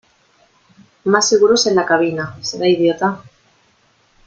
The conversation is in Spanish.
Más seguros en la cabina. Será idiota .